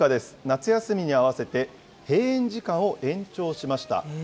夏休みに合わせて閉園時間を延長しました。